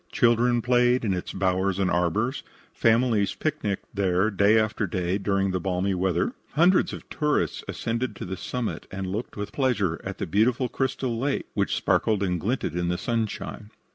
Children played in its bowers and arbors; families picnicked there day after day during the balmy weather; hundreds of tourists ascended to the summit and looked with pleasure at the beautiful crystal lake which sparkled and glinted in the sunshine.